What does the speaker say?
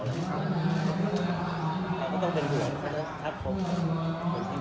เราก็ต้องเป็นดวง